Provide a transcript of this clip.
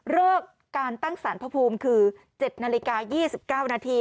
เลิกการตั้งสารพระภูมิคือ๗นาฬิกา๒๙นาที